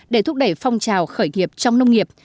để thúc đẩy phong trào khởi nghiệp trong nông nghiệp